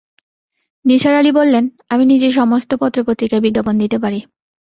নিসার আলি বললেন, আমি নিজে সমস্ত পত্র-পত্রিকায় বিজ্ঞাপন দিতে পারি।